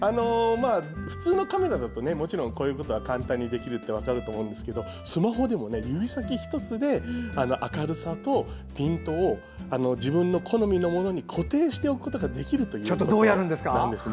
普通のカメラだともちろんこういうことが簡単にできるって分かると思いますがスマホでも、指先ひとつで明るさとピントを自分の好みのものに固定しておくことができるというんです。